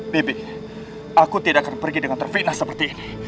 bibi aku tidak akan pergi dengan terfitnah seperti ini